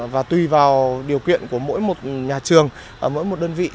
và tùy vào điều kiện của mỗi một nhà trường mỗi một đơn vị